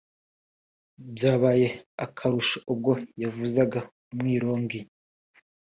byabaye akarusho ubwo yavuzaga umwirongi